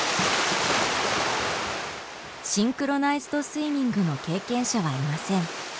シンクロナイズドスイミングの経験者はいません。